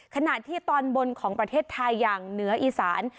ขณะที่ตอนบนของประเทศไทยอย่างเหนืออีสาน